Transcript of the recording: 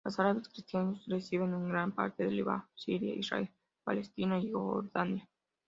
Los árabes cristianos residen en gran parte en Líbano, Siria, Israel, Palestina y Jordania.